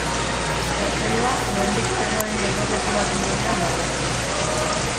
Gaztelua lehendik zegoen gotorleku baten gunean dago.